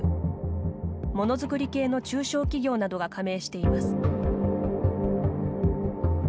ものづくり系の中小企業などが加盟しています。